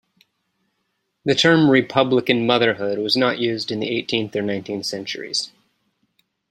The term "republican motherhood" was not used in the eighteenth or nineteenth centuries.